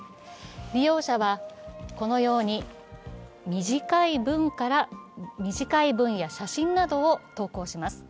利用者はこのように、短い文や写真などを投稿します。